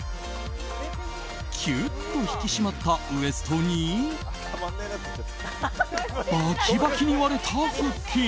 キュッと引き締まったウエストにバキバキに割れた腹筋。